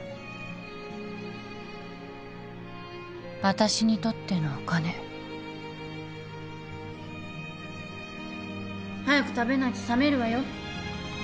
私にとってのお金早く食べないと冷めるわよ。